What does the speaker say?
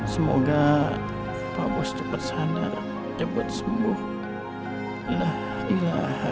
semoga pak bos cepat sadar dapat sembuh